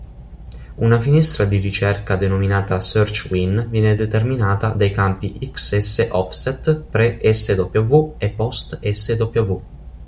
Una finestra di ricerca denominata “search_win” viene determinata dai campi xs_offset, pre_sw e post_sw.